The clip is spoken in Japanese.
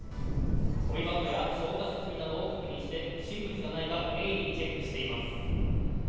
ごみ箱や消火設備などを確認して不審物がないか念入りにチェックしています。